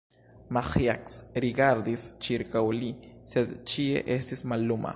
Maĥiac rigardis ĉirkaŭ li, sed ĉie estis malluma.